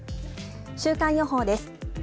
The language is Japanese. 週間予報です。